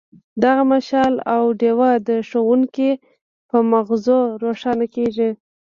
دغه مشال او ډیوه د ښوونکي په مازغو روښانه کیږي.